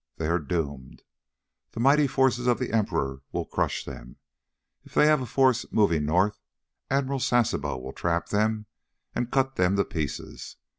They are doomed. The mighty forces of the Emperor will crush them. If they have a force moving north, Admiral Sasebo will trap them and cut them to pieces.